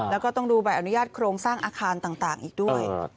แล้วก็ต้องดูใบอนุญาตโครงสร้างอาคารต่างอีกด้วย